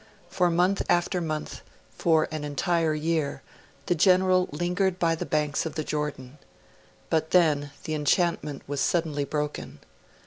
For month after month, for an entire year, the General lingered by the banks of the Jordan. But then the enchantment was suddenly broken.